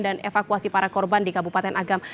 dan evakuasi para korban di kabupaten agam